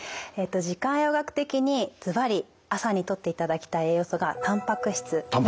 時間栄養学的にずばり朝にとっていただきたい栄養素がたんぱく質になります。